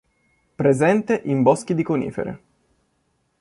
Presente in boschi di conifere.